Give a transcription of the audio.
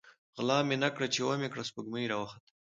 ـ غله مې نه کړه ،چې ومې کړه سپوږمۍ راوخته.